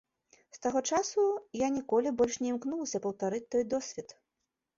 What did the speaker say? З таго часу я ніколі больш не імкнулася паўтарыць той досвед.